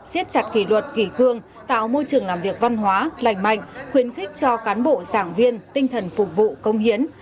xiết chặt kỷ luật kỷ cương tạo môi trường làm việc văn hóa lành mạnh khuyến khích cho cán bộ giảng viên tinh thần phục vụ công hiến